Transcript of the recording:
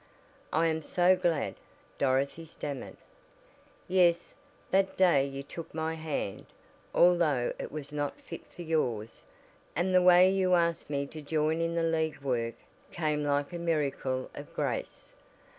"I am so glad!" Dorothy stammered. "Yes, that day you took my hand, although it was not fit for yours, and the way you asked me to join in the League work came like a miracle of grace.